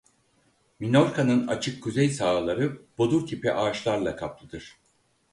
Minorka'nın açık kuzey sahaları bodur tipi ağaçlarla kaplıdır.